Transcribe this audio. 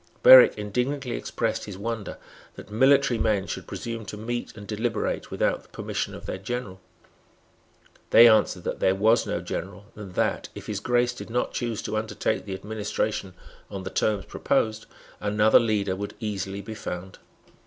Berwick indignantly expressed his wonder that military men should presume to meet and deliberate without the permission of their general. They answered that there was no general, and that, if His Grace did not choose to undertake the administration on the terms proposed, another leader would easily be found.